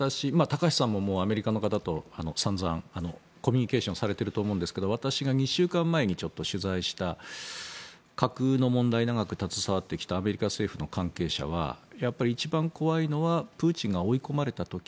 高橋さんもアメリカの方と散々、コミュニケーションされていると思うんですけど私が２週間前にちょっと取材した核の問題に長く携わってきたアメリカ政府の関係者は一番怖いのはプーチンが追い込まれた時。